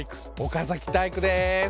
岡崎体育です。